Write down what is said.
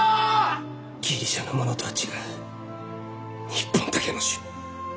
ギリシャのものとは違う日本だけの種！